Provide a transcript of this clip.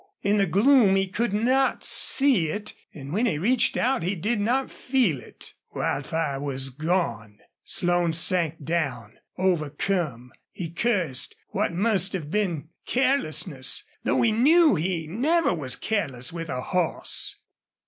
In the gloom he could not see it, and when he reached out he did not feel it. Wildfire was gone! Slone sank down, overcome. He cursed what must have been carelessness, though he knew he never was careless with a horse.